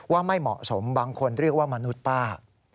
ไม่เหมาะสมบางคนเรียกว่ามนุษย์ป้า